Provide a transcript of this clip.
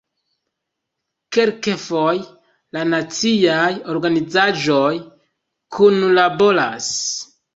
Kelkfoje la naciaj organizaĵoj kunlaboras.